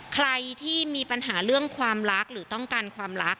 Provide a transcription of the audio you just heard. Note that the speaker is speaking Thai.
ใครที่มีปัญหาเรื่องความรักหรือต้องการความรัก